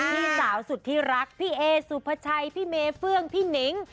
พี่สาวสุดที่รักพี่เอสุภาชัยพี่เมเฟื่องพี่หนิง